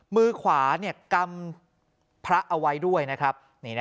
มือขวากำพระเอาไว้ด้วยนะครับ